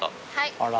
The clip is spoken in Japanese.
あら。